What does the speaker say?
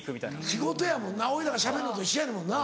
仕事やもんなおいらがしゃべるのと一緒やねんもんな。